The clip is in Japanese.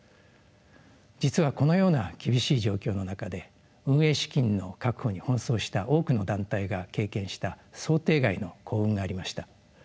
実はこのような厳しい状況の中で運営資金の確保に奔走した多くの団体が経験した想定外の幸運がありました。